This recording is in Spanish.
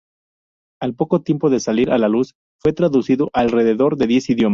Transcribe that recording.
Al poco tiempo de salir a luz, fue traducido a alrededor de diez idiomas.